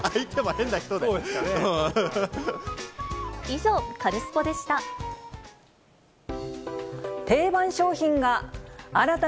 以上、カルスポっ！でした。